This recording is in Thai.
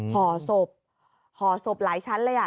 ห่อศพห่อศพหลายชั้นเลย